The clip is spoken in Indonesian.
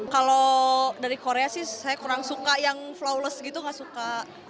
kalau dari korea sih saya kurang suka yang flowless gitu gak suka